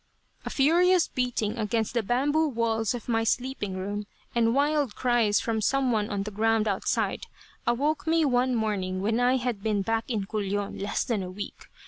A furious beating against the bamboo walls of my sleeping room, and wild cries from some one on the ground outside, awoke me one morning when I had been back in Culion less than a week.